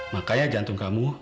makanya jantung kamu